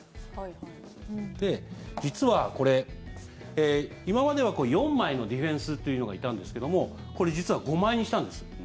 実はこれ、今までは４枚のディフェンスというのがいたんですけどもこれ実は５枚にしたんです。